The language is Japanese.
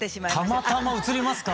たまたま写りますか？